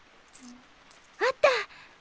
あった！